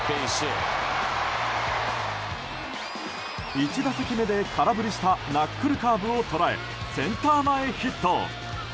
１打席目で空振りしたナックルカーブを捉えセンター前ヒット。